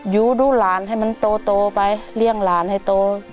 อยู่ดูหลานให้มันโตไปเลี่ยงหลานให้โต